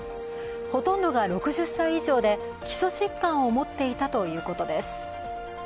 ほとんどが６０歳以上で基礎疾患を持っていたということです。